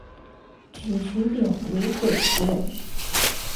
沮渠秉卢水胡人。